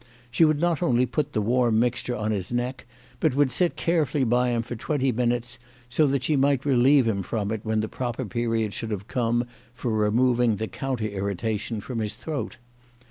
She would not only put the warm mixture on his neck, but would sit carefully by him for twenty minutes, so that she might relieve him from it w r hen the proper period should have come for removing the counter irritation from his throat.